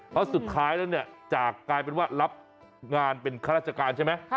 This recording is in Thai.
เพราะสุดท้ายแล้วเนี่ยจากกลายเป็นว่ารับงานเป็นข้าราชการใช่ไหม